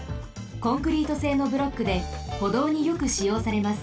コンクリートせいのブロックでほどうによくしようされます。